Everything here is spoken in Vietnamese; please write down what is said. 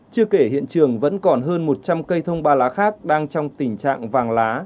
chưa kể hiện trường vẫn còn hơn một trăm linh cây thông ba lá khác đang trong tình trạng vàng lá